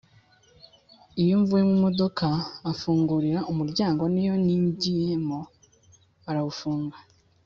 Iyo mvuye mu modoka afungurira umuryango niyo ninjyiyemo arawufunga